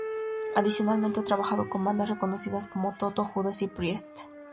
Adicionalmente ha trabajado con bandas reconocidas como Toto, Judas Priest y Queensrÿche.